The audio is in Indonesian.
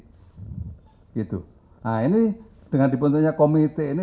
nah ini dengan dibentuknya komite ini